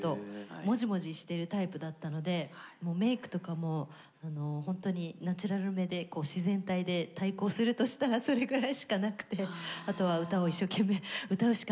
モジモジしてるタイプだったのでメークとかもほんとにナチュラルめで自然体で対抗するとしたらそれぐらいしかなくてあとは歌を一生懸命歌うしかないって思ってました。